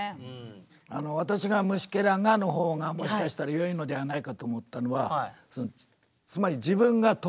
私が「虫螻が」の方がもしかしたら良いのではないかと思ったのはつまり自分が投影されるからです